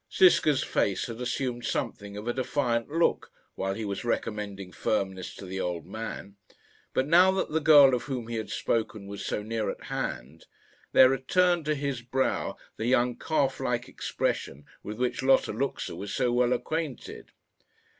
Ziska's face had assumed something of a defiant look while he was recommending firmness to the old man; but now that the girl of whom he had spoken was so near at hand, there returned to his brow the young calf like expression with which Lotta Luxa was so well acquainted.